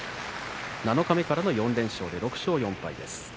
七日目からの４連勝で６勝４敗です。